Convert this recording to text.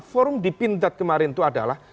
forum di pindad kemarin itu adalah